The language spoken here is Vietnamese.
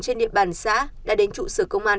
trên địa bàn xã đã đến trụ sở công an